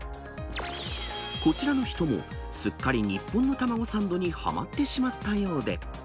こちらの人も、すっかり日本の卵サンドにはまってしまったようで。